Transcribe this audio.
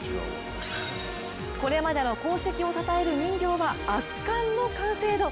これまでの功績をたたえる人形は圧巻の完成度。